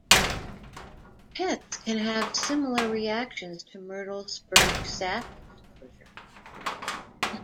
Pets can have similar reactions to myrtle spurge sap exposure.